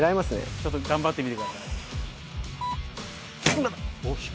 ちょっと頑張ってみてください。